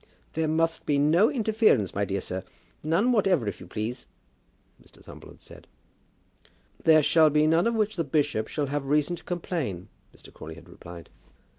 "There must be no interference, my dear sir, none whatever, if you please," Mr. Thumble had said. "There shall be none of which the bishop shall have reason to complain," Mr. Crawley had replied.